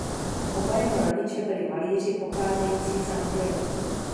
Oba jeho rodiče byli malíři pocházející z Anglie.